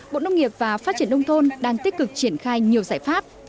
bộ nông nghiệp và phát triển nông thôn đang tích cực triển khai nhiều giải pháp